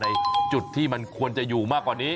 ในจุดที่มันควรจะอยู่มากกว่านี้